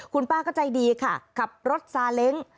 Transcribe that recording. คุณป้าก็ใจดีค่ะขับรถซาเล้ง